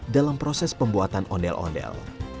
dalam proses pembuatan ondel ondel